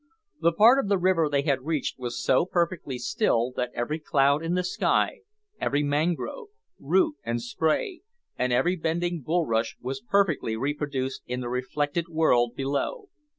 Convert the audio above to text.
The part of the river they had reached was so perfectly still that every cloud in the sky, every mangrove, root and spray, and every bending bulrush, was perfectly reproduced in the reflected world below.